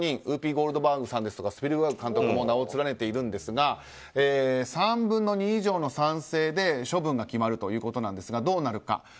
ウーピー・ゴールドバーグさんやスピルバーグ監督も名を連ねているんですが３分の２以上の賛成で処分が決まるということですがどうなるか。